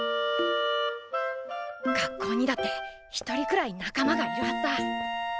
学校にだって一人くらい仲間がいるはずだ。